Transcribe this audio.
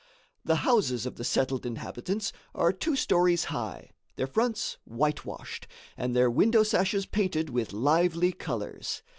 The houses of the settled inhabitants are two stories high, their fronts whitewashed, and their window sashes painted with lively colors.